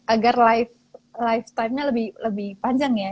agar lifestypenya lebih panjang ya